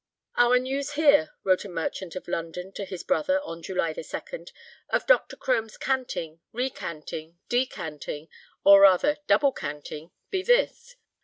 "Our news here," wrote a merchant of London to his brother on July 2, "of Dr. Crome's canting, recanting, decanting, or rather double canting, be this."